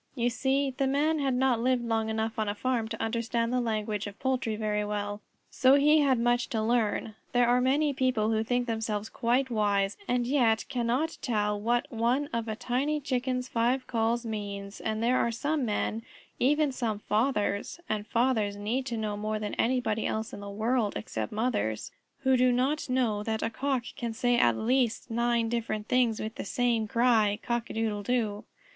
You see the Man had not lived long enough on a farm to understand the language of poultry very well, so he had much to learn. There are many people who think themselves quite wise and yet cannot tell what one of a tiny Chicken's five calls means, and there are some Men, even some fathers (and fathers need to know more than anybody else in the world, except mothers) who do not know that a Cock can say at least nine different things with the same cry, "Cock a doodle doo!"